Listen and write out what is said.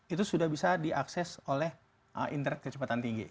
itu sudah bisa diakses oleh internet kecepatan tinggi